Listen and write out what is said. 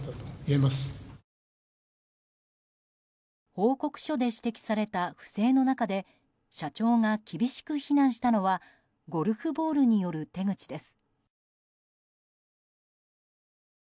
報告書で指摘された不正の中で社長が厳しく非難したのはゴルフボールによる手口です。